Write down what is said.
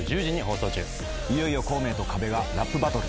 いよいよ孔明とＫＡＢＥがラップバトル。